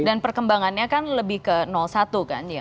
dan perkembangannya kan lebih ke satu kan